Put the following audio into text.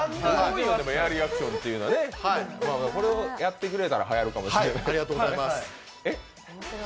エアリアクションっていうのはね、これをやってくれたらはやるかもしれない。